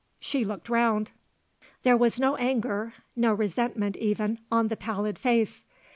She looked round. There was no anger, no resentment, even, on the pallid face.